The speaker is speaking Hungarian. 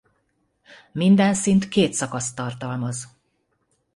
Minden szint két szakaszt tartalmaz.